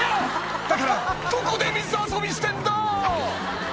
「だからどこで水遊びしてんだ！」